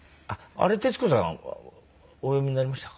あれ徹子さんはお読みになりましたか？